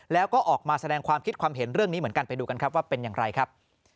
แล้วก็ออกมาแสดงความคิดความเห็นเรื่องนี้เหมือนกันไปดูกันครับว่าเป็นอย่างไรครับ